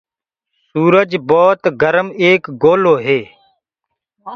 سُرج ڀوت گرم ايڪ لوڪو هي۔